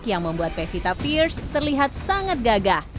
yang membuat pevita pierce terlihat sangat gagah